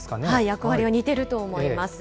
役割は似てると思います。